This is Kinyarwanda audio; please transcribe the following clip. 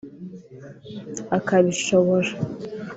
’ akabishobora